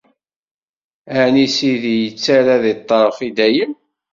Ɛni Sidi yettarra di ṭṭerf i dayem?